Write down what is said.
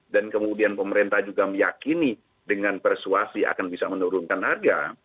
dan kemudian pemerintah juga meyakini dengan persuasi akan bisa menurunkan harga